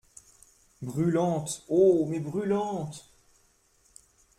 Brûlantes ! oh ! mais brûlantes !